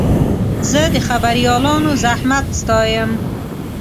زه د خبریالانو زحمت ستایم.